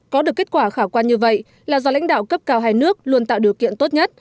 có được kết quả khả quan như vậy là do lãnh đạo cấp cao hai nước luôn tạo điều kiện tốt nhất